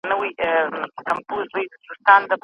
ماشوم په فرش باندې بې سېکه پروت و.